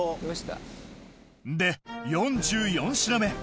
で４４品目